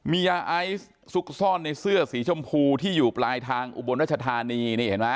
มียาไอซ์ซุกซ่อนในเสื้อสีชมพูที่อยู่ปลายทางอุบลรัชธานีนี่เห็นไหม